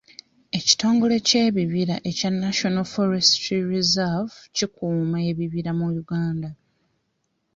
Ekitongole ky'ebibira ekya National Forestry Reserve kikuuma ebibira mu Uganda.